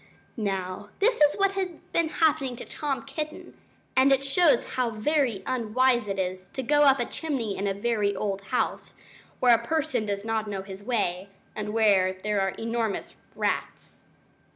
Now, this is what had been happening to Tom Kitten, and it shows how very unwise it is to go up a chimney in a very old house, where a person does not know his way, and where there are enormous rats.